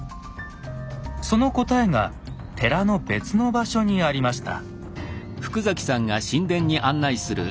その答えが寺の別の場所にありました。